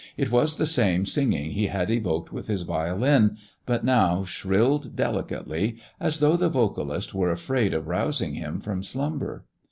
It was the same singing he had evoked with his violin; but now shrilled delicately, as though the vocalist were afraid of rousing him from slumber.